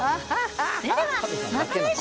それではまた来週。